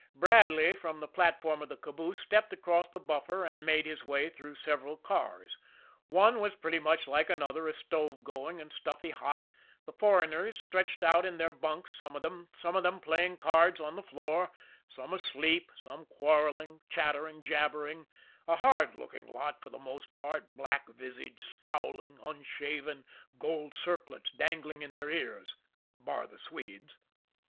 Bradley, from the platform of the caboose, stepped across the buffer, and made his way through several cars. One was pretty much like another; a stove going, and stuffy hot; the foreigners stretched out in their bunks, some of them; some of them playing cards on the floor; some asleep; some quarrelling, chattering, jabbering; a hard looking lot for the most part, black visaged, scowling, unshaven, gold circlets dangling in their ears bar the Swedes.